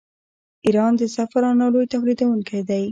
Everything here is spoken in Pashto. ایران د زعفرانو لوی تولیدونکی دی.